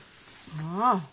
ああ。